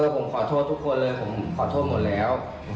ผมขอโทษทุกคนเลยผมขอโทษหมดแล้ว